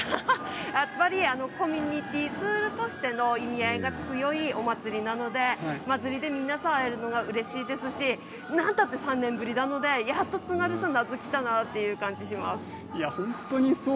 やっぱりコミュニティーツールとしての意味合いが強いお祭りなので皆さんに会えるのがうれしいですしなんて言ったって３年ぶりなので、やっと夏がきたなというかで出します。